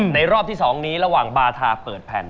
รอบที่๒นี้ระหว่างบาทาเปิดแผ่น